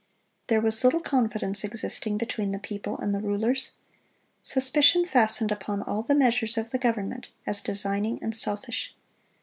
There was little confidence existing between the people and the rulers. Suspicion fastened upon all the measures of the government, as designing and selfish.